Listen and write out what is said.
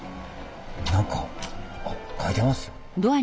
何か書いてますよ。